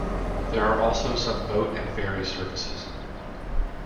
There are also some boat and ferry services.